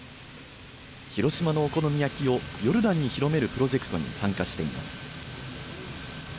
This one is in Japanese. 広島のお好み焼きをヨルダンに広めるプロジェクトに参加しています。